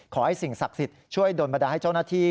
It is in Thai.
สิ่งศักดิ์สิทธิ์ช่วยโดนบรรดาให้เจ้าหน้าที่